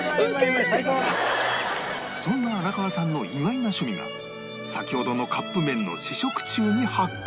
そんな荒川さんの意外な趣味が先ほどのカップ麺の試食中に発覚！